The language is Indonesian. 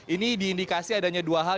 ini diindikasi adanya dua hal